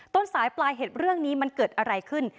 ต้นสายปลายเหตุเรื่องนี้มันเกิดอะไรขึ้น